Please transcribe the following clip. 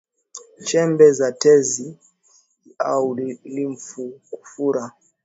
Chembe za tezi au limfu kufura